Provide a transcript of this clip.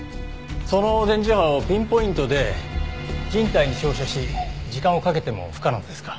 その電磁波をピンポイントで人体に照射し時間をかけても不可能ですか？